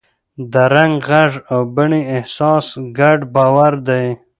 د رنګ، غږ او بڼې احساس ګډ باور دی.